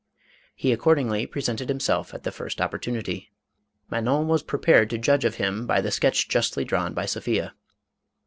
He accordingly presented himself at the first opportunity. Manon was prepared 21* 490 MADAME ROLAND. to judge of him by the sketch justly drawn by Sophia.